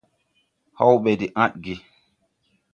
Haw ɓɛ de ãdge.